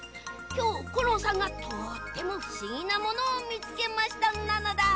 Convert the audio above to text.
きょうコロンさんがとってもふしぎなものをみつけましたなのだ。